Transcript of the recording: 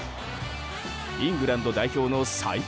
イングランド代表の最強